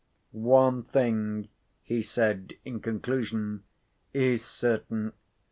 "One thing," he said, in conclusion, "is certain.